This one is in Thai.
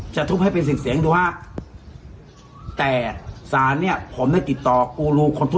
จะทุบให้เป็นเสียงซึ่งดูครับแต่ฉะนั้นเนี่ยผมได้ติดต่อ